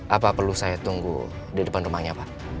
apa perlu saya tunggu di depan rumahnya pak